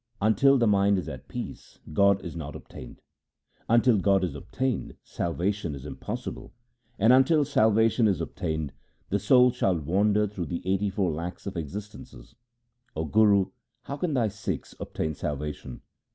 Until the mind is at peace, God is not LIFE OF GURU RAM DAS 259 obtained ; until God is obtained salvation is im possible ; and until salvation is obtained the soul shall wander through the eighty four lakhs of exist ences. O Guru, how can thy Sikhs obtain salva tion